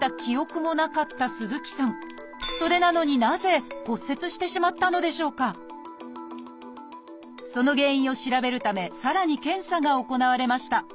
それなのにその原因を調べるためさらに検査が行われました。